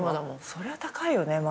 そりゃ高いよね。